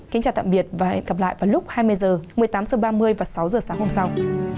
kính chào tạm biệt và hẹn gặp lại vào lúc hai mươi h một mươi tám h ba mươi và sáu h sáng hôm sau